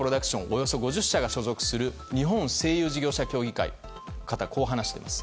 およそ５０社が所属する日本声優事業社協議会の方はこう話しています。